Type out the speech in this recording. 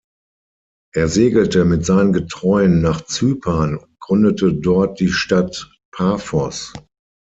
Er segelte mit seinen Getreuen nach Zypern und gründete dort die Stadt Paphos.